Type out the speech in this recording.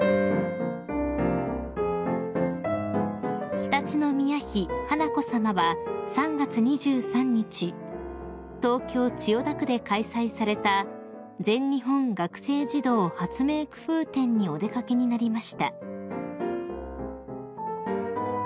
［常陸宮妃華子さまは３月２３日東京千代田区で開催された全日本学生児童発明くふう展にお出掛けになりました］